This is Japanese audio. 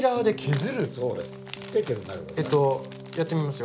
えっとやってみますよ？